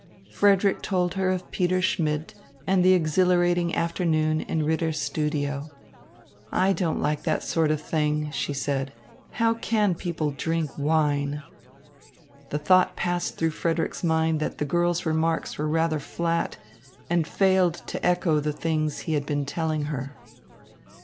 Frederick told her of Peter Schmidt and the exhilarating afternoon in Ritter's studio. "I don't like that sort of thing," she said. "How can people drink wine?" The thought passed through Frederick's mind that the girl's remarks were rather flat and failed to echo the things he had been telling her.